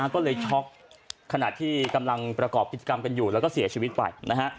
ก็เลยช็อกขณะที่กำลังประกอบกิจกรรมกันอยู่แล้วก็เสียชีวิตไปนะฮะ